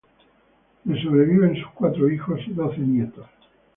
Le sobreviven sus cuatro hijos y doce nietos.